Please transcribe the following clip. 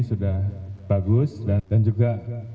sudah bagus dan juga